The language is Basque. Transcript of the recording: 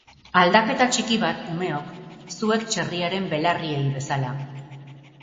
Aldaketa txiki bat, umeok, zuek txerriaren belarriei bezala.